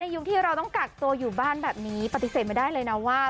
ยุคที่เราต้องกักตัวอยู่บ้านแบบนี้ปฏิเสธไม่ได้เลยนะว่า